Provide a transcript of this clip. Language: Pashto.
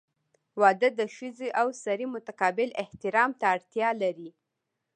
• واده د ښځې او سړي متقابل احترام ته اړتیا لري.